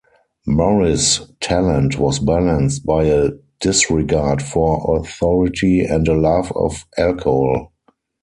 Morris' talent was balanced by a disregard for authority and a love of alcohol.